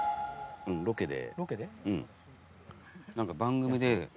ロケで。